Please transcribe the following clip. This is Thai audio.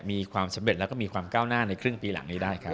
มีความสำเร็จแล้วก็มีความก้าวหน้าในครึ่งปีหลังนี้ได้ครับ